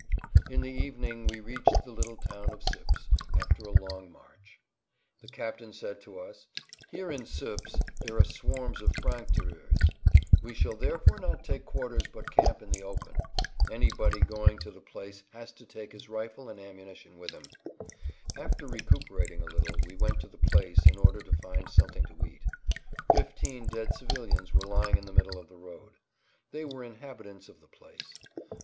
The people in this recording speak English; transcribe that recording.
In the evening we reached the little town of Suippes after a long march. The captain said to us, "Here in Suippes there are swarms of franctireurs. We shall therefore not take quarters but camp in the open. Anybody going to the place has to take his rifle and ammunition with him." After recuperating a little we went to the place in order to find something to eat. Fifteen dead civilians were lying in the middle of the road. They were inhabitants of the place.